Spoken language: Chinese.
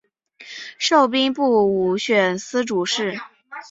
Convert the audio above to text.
授兵部武选司主事。